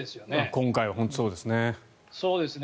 今回は本当にそうですね。